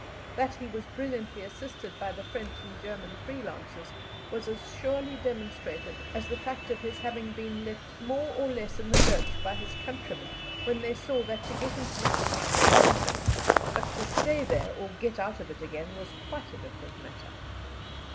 That he was brilliantly assisted by the French and German freelances was as surely demonstrated as the fact of his having been left more or less in the lurch by his countrymen when they saw that to get into Mafeking was one thing, but to stay there or get out of it again was quite a different matter.